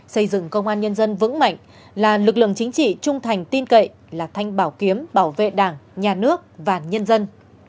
xây dựng công an nhân dân vững mạnh là lực lượng chính trị trung thành tin cậy là thanh bảo kiếm bảo vệ đảng nhà nước và nhân dân